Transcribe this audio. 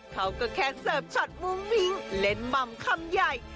เขาก็แค่เสิร์ฟชอตมุมพิงเล่นมัมคำใหญ่